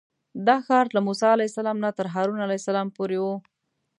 دا ښار له موسی علیه السلام نه تر هارون علیه السلام پورې و.